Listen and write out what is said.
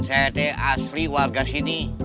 saya deh asli warga sini